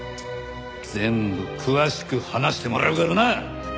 全部詳しく話してもらうからな！